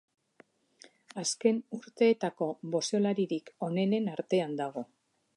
Azken urteetako boxeolaririk onenen artean dago.